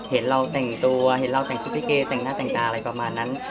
เห็นเราแต่งตัวเห็นเราแต่งชุดลิเกแต่งหน้าแต่งตาอะไรประมาณนั้น